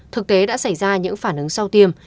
thực tế đã xảy ra những phản ứng sau tiêm